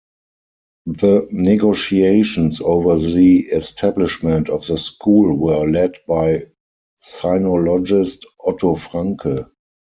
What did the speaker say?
The negotiations over the establishment of the school were led by sinologist Otto Franke.